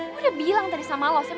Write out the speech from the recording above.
gue udah bilang tadi sama lo sam